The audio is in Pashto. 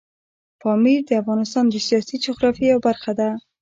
پامیر د افغانستان د سیاسي جغرافیې یوه برخه ده.